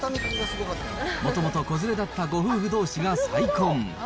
もともと子連れだったご夫婦どうしが再婚。